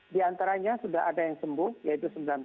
di antaranya sudah ada yang sembuh yaitu sembilan belas